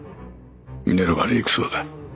ミネルヴァに行くそうだ。